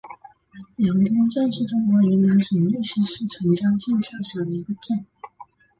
阳宗镇是中国云南省玉溪市澄江县下辖的一个镇。